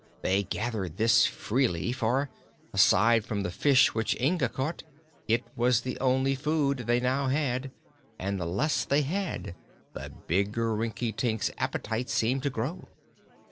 They gathered this freely, for aside from the fish which Inga caught it was the only food they now had, and the less they had, the bigger Rinkitink's appetite seemed to grow.